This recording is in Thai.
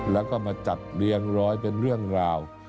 แล้วก็มาจัดเรียงร้อยเป็นเรื่องราว